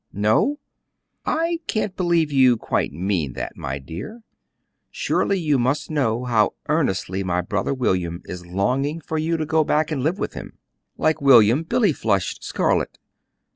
"No? I can't believe you quite mean that, my dear. Surely you must know how earnestly my brother William is longing for you to go back and live with him." Like William, Billy flushed scarlet.